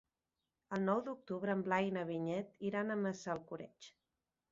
El nou d'octubre en Blai i na Vinyet iran a Massalcoreig.